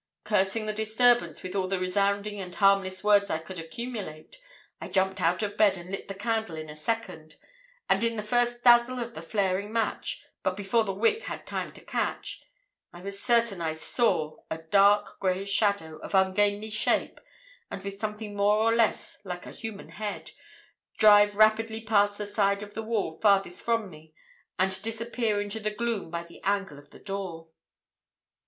Cursing the disturbance with all the resounding and harmless words I could accumulate, I jumped out of bed and lit the candle in a second, and in the first dazzle of the flaring match—but before the wick had time to catch—I was certain I saw a dark grey shadow, of ungainly shape, and with something more or less like a human head, drive rapidly past the side of the wall farthest from me and disappear into the gloom by the angle of the door.